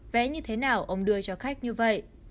vé như thế nào ông đưa cho khách như vậy